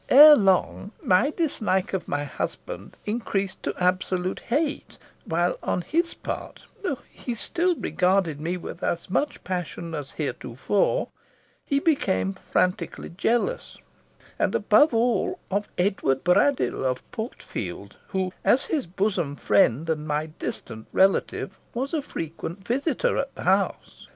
Erelong my dislike of my husband increased to absolute hate, while on his part, though he still regarded me with as much passion as heretofore, he became frantically jealous and above all of Edward Braddyll of Portfield, who, as his bosom friend, and my distant relative, was a frequent visiter at the house.